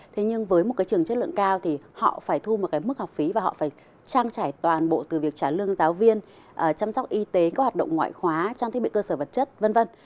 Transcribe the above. thế nhưng với một cái trường chất lượng cao thì họ phải thu một cái mức học phí và họ phải trang trải toàn bộ từ việc trả lương giáo viên chăm sóc y tế các hoạt động ngoại khóa trang thiết bị cơ sở vật chất v v